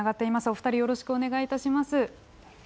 お二人、よろしくお願いします。